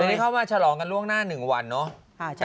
วันนี้เข้ามาฉลองกันล่วงหน้า๑วันเนอะ